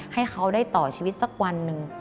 ให้เขาได้ต่อชีวิตสักวันหนึ่ง